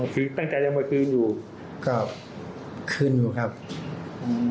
อ๋อคือตั้งใจจะมาคืนอยู่ก็คืนอยู่ครับอืม